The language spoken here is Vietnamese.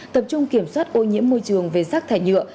tập trung kiểm soát ô nhiễm môi trường về rác thải nhựa